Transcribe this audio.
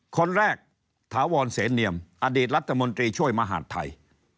คนแรกถาวรเสนเนียมอดีตรัฐมนตรีช่วยมหาดไทย